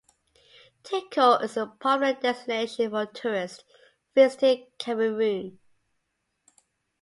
Tiko is a popular destination for tourists visiting Cameroon.